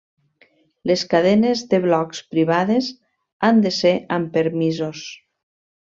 Les cadenes de blocs privades han de ser amb permisos.